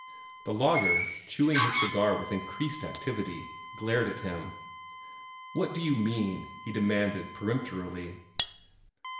The lawyer, chewing his cigar with increased activity, glared at him. "What do you mean?" he demanded peremptorily.